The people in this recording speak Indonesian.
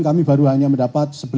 kami baru hanya mendapat